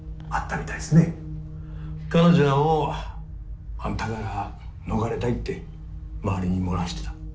彼女はもうあんたから逃れたいって周りに漏らしてた。